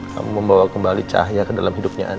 kamu membawa kembali cahaya ke dalam hidupnya